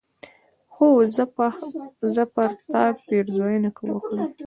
هو! زه به پر تا پيرزوينه وکړم